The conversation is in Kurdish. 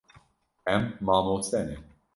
Em mamoste ne.